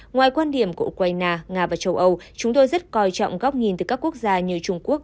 ngoài quan điểm của ukraine nga và châu âu chúng tôi rất coi trọng góc nhìn từ các quốc gia như trung quốc